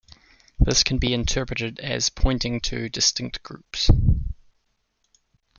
This can be interpreted as pointing to distinct groups.